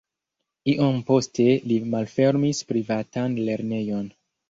Iom poste li malfermis privatan lernejon.